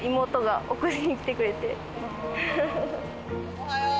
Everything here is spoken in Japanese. おはよう。